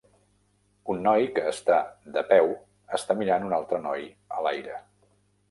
Un noi que està de peu està mirant un altre noi a l'aire.